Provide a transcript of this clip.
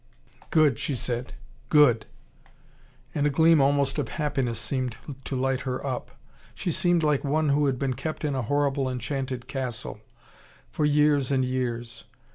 "Good!" she said. "Good!" And a gleam almost of happiness seemed to light her up. She seemed like one who had been kept in a horrible enchanted castle for years and years.